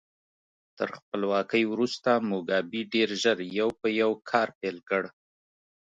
تر خپلواکۍ وروسته موګابي ډېر ژر یو په یو کار پیل کړ.